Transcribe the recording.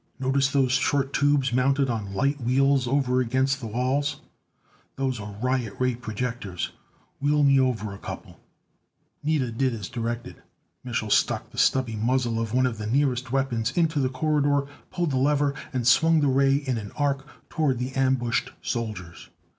"Notice those short tubes mounted on light wheels over against the walls? Those are riot ray projectors. Wheel me over a couple." Nida did as directed. Mich'l stuck the stubby muzzle of one of the nearest weapons into the corridor, pulled the lever and swung the ray in an arc toward the ambushed soldiers.